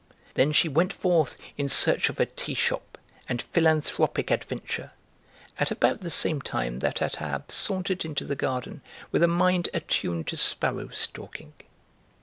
Then she went forth in search of a tea shop and philanthropic adventure, at about the same time that Attab sauntered into the garden with a mind attuned to sparrow stalking.